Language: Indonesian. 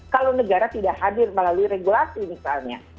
kalau negara tidak hadir melalui regulasi misalnya